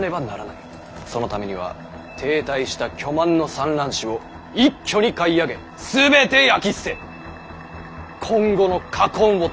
そのためには停滞した巨万の蚕卵紙を一挙に買い上げ全て焼き捨て今後の禍根を断つ」。